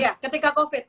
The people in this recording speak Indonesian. ya ketika covid